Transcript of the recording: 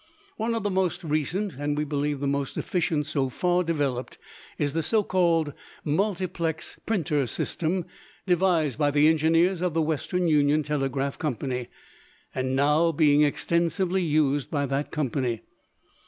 One of the most recent, and we believe the most efficient so far developed, is the so called multiplex printer system, devised by the engineers of the Western Union Telegraph Company and now being extensively used by that company.